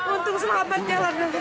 untung selamat jalan